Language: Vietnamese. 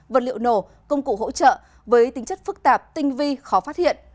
vật liệu nổ công cụ hỗ trợ với tính chất phức tạp tinh vi khó phát hiện